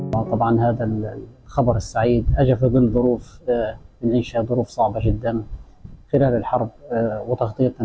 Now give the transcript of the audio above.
saya tidak mudah karena saya selama beberapa bulan lalu setiap hari saya mengatur jurnalis dan mengucapkan penghormatan